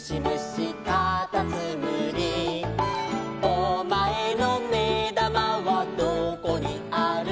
「お前のめだまはどこにある」